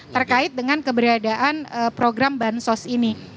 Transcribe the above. terkait dengan keberadaan program bansos ini